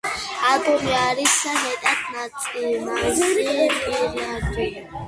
ალბომი არის მეტად ნაზი, პირადული.